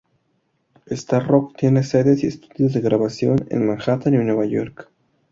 Star Roc tiene sedes y estudios de grabación en Manhattan y en Nueva York.